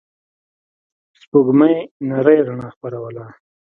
سپوږمۍ نرۍ رڼا خپروله.